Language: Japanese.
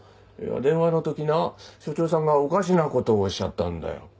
電話の時な署長さんがおかしなことをおっしゃったんだよ。